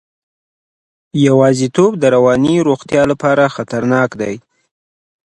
یوازیتوب د رواني روغتیا لپاره خطرناک دی.